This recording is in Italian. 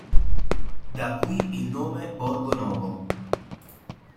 Da qui il nome Borgonovo.